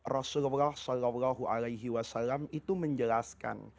rasulullah saw itu menjelaskan